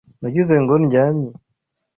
Nagize ngo ndyamye.